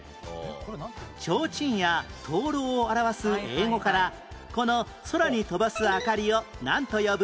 提灯や灯籠を表す英語からこの空に飛ばす明かりをなんと呼ぶ？